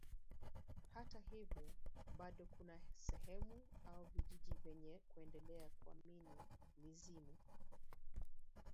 Hata hivyo bado kuna sehemu au vijiji vyenye kuendelea kuamini mizimu